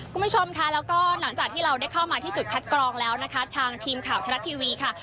คุณผู้ชมค่ะแล้วก็หลังจากที่เราได้เข้ามาที่จุดคัดกรองแล้วนะคะทางทีมข่าวไทยรัฐทีวีค่ะ